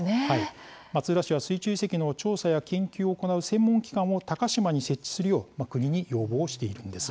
松浦市は水中遺跡の調査や研究を行う専門機関を鷹島に設置するよう国に要望しているんです。